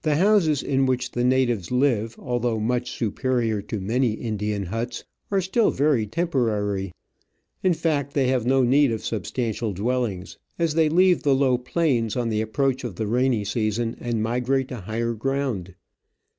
183 houses in which the natives live, although much superior to many Indian huts, are still very tem porary ; in fact, they have no need of substantial dwellings, as they leave the low plains on the approach of the rainy season and migrate to higher grounds.